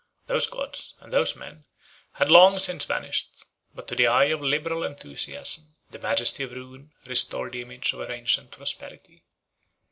Those gods, and those men, had long since vanished; but to the eye of liberal enthusiasm, the majesty of ruin restored the image of her ancient prosperity.